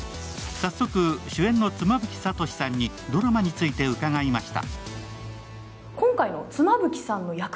早速、主演の妻夫木聡さんにドラマについて伺いました。